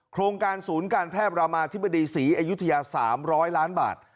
โครงการศูนย์การแพทย์รามาธิบดีศรีอยุธยา๓๐๐ล้านบาท